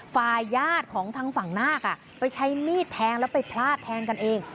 ฝ่ายญาติของทางฝั่งนาคไปใช้มีดแทงแล้วไปพลาดแทงกันเอง